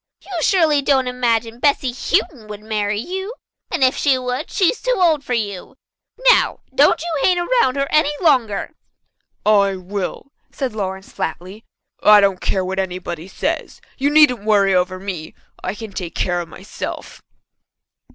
You surely don't imagine Bessy Houghton would marry you. And if she would, she is too old for you. Now, don't you hang around her any longer." "I will," said Lawrence flatly. "I don't care what anybody says. You needn't worry over me. I can take care of myself."